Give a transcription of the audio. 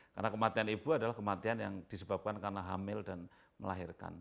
karena kematian ibu adalah kematian yang disebabkan karena hamil dan melahirkan